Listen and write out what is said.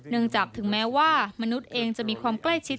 จากถึงแม้ว่ามนุษย์เองจะมีความใกล้ชิด